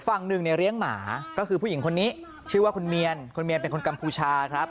ฝั่งหนึ่งเนี่ยเลี้ยงหมาก็คือผู้หญิงคนนี้ชื่อว่าคุณเมียนคุณเมียนเป็นคนกัมพูชาครับ